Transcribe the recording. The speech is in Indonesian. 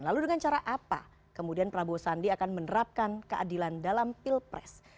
lalu dengan cara apa kemudian prabowo sandi akan menerapkan keadilan dalam pilpres